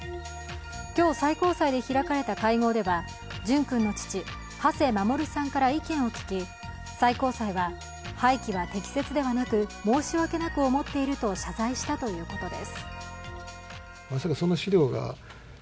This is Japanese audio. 今日、最高裁で開かれた会合では、淳くんの父、土師守さんから意見を聞き最高裁は、廃棄は適切ではなく申し訳なく思っていると謝罪したということです。